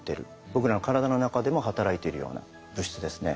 僕らの体の中でも働いているような物質ですね。